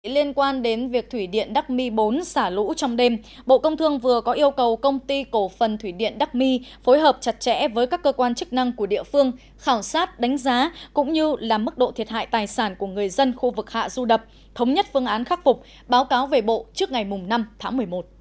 liên quan đến việc thủy điện đắc mi bốn xả lũ trong đêm bộ công thương vừa có yêu cầu công ty cổ phần thủy điện đắc mi phối hợp chặt chẽ với các cơ quan chức năng của địa phương khảo sát đánh giá cũng như làm mức độ thiệt hại tài sản của người dân khu vực hạ du đập thống nhất phương án khắc phục báo cáo về bộ trước ngày năm tháng một mươi một